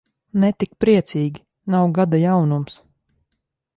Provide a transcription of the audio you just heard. Ne tik priecīgi, nav gada jaunums.